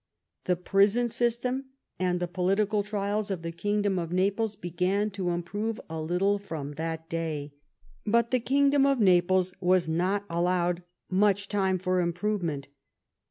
The prison system and the politi cal trials of the kingdom of Naples began to im prove a little from that day. But the kingdom of Naples was not allowed much time for improve ment.